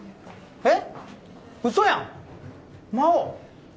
えっ？